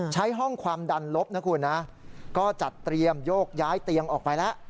ใช้ห้องความดันลบนะคุณนะก็จัดเตรียมโยกย้ายเตียงออกไปแล้ว